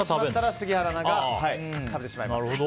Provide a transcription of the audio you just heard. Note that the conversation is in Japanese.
杉原アナが食べてしまいます。